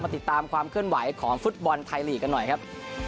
ติดตามความเคลื่อนไหวของฟุตบอลไทยลีกกันหน่อยครับ